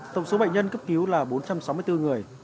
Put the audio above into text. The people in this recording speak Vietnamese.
tổng số bệnh nhân cấp cứu là bốn trăm sáu mươi bốn người